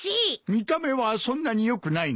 見た目はそんなによくないが。